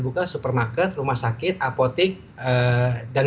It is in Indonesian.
buka supermarket rumah sakit apotik dan